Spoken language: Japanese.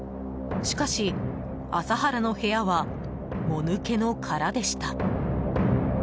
しかし麻原の部屋はもぬけの殻でした。